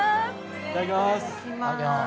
いただきます。